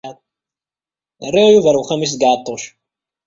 Rriɣ Yuba ar uxxam-is deg Ɛeṭṭuc.